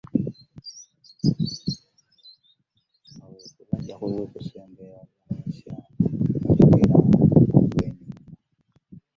Kaweefube ajja kwongera okuzuukusa embeera z'abakyala balekere okwenyooma